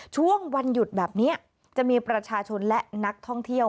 ช่วงวันหยุดแบบนี้จะมีประชาชนและนักท่องเที่ยว